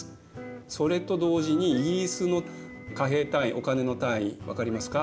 それと同時にイギリスの貨幣単位お金の単位分かりますか？